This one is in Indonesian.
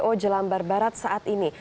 o jelambar barat saat ini